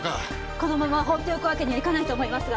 このまま放っておくわけにはいかないと思いますが。